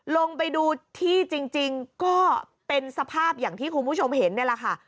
ลงไปดูที่จริงก็เป็นสภาพอย่างที่คุณผู้ชมเห็นนี่แหละค่ะ